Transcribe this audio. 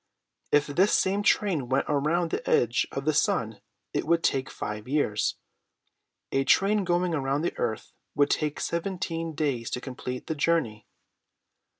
If this same train went around the edge of the sun it would take five years. A train going around the earth would take seventeen days to complete the journey."